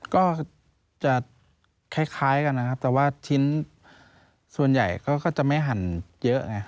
ก็จะคล้ายกันนะครับแต่ว่าชิ้นส่วนใหญ่เขาก็จะไม่หั่นเยอะไง